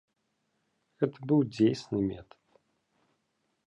Гэта быў дзейсны метад.